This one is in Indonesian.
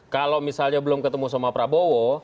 kalau misalnya belum ketemu sama prabowo